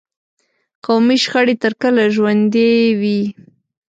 قومي شخړې تر کله ژوندي وي.